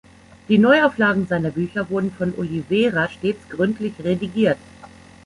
Die Neuauflagen seiner Bücher wurden von Oliveira stets gründlich redigiert.